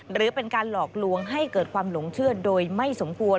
หรือเป็นการหลอกลวงให้เกิดความหลงเชื่อโดยไม่สมควร